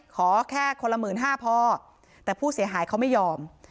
ขอแค่คนละ๑๕๐๐พอแต่ผู้เสียหายเขาไม่ยอม